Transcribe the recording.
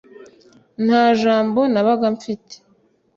nta jambo nabaga mfite